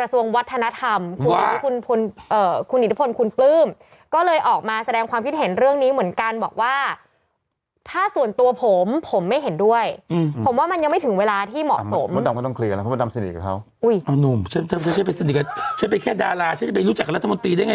กระทรวงวัฒนธรรมคุณอิทธิพลคุณปลื้มก็เลยออกมาแสดงความคิดเห็นเรื่องนี้เหมือนกันบอกว่าถ้าส่วนตัวผมผมไม่เห็นด้วยผมว่ามันยังไม่ถึงเวลาที่เหมาะสมมดดำก็ต้องเคลียร์แล้วเพราะมดดำสนิทกับเขาอุ้ยเอานุ่มฉันไปสนิทกับฉันเป็นแค่ดาราฉันจะไปรู้จักกับรัฐมนตรีได้ไง